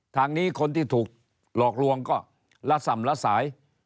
ทางนี้คนที่ถูกหลอกลวงก็ละส่ำละสาย